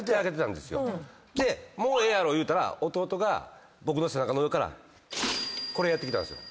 言うたら弟が僕の背中の上からこれやってきたんですよ。